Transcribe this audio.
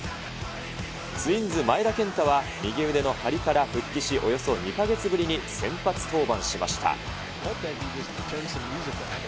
ツインズ、前田健太は右腕の張りから復帰しおよそ２か月ぶりに先発登板しました。